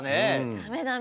ダメダメ！